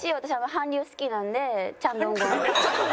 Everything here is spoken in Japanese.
韓流好きなんでチャン・ドンゴン。